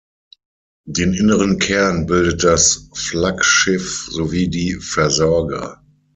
Den inneren Kern bildet das Flaggschiff sowie die Versorger.